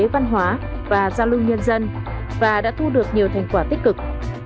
văn hóa và giao lưu nhân dân và đã thu được nhiều thành quả tích cực